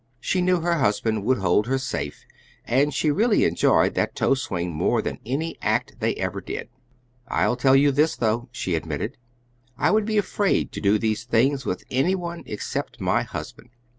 She knew her husband would hold her safe, and she really enjoyed that toe swing more than any act they ever did. "I'll tell you this, though," she admitted, "I would be afraid to do these things with any one except my husband."